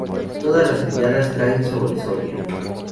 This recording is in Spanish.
Todas las miradas caen sobre Soria.